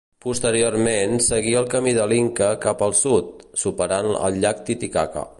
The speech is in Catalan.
Posteriorment seguí el camí de l'inca cap al sud, superant el llac Titicaca.